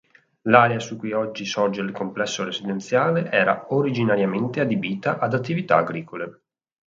L'area su cui oggi sorge il complesso residenziale era originariamente adibita ad attività agricole.